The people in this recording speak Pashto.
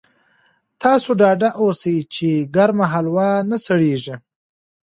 تاسو ډاډه اوسئ چې ګرمه هلوا نه سړېږي.